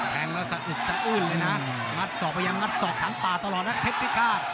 แทงแล้วสะอึดสะอื่นเลยนะงัดศอกไปยังงัดศอกทางป่าตลอดนะเทคพิการ